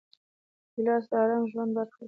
ګیلاس د ارام ژوند برخه ده.